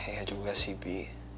ya juga sih bi